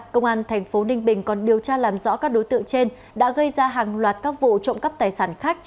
công an thành phố ninh bình còn điều tra làm rõ các đối tượng trên đã gây ra hàng loạt các vụ trộm cắp tài sản khác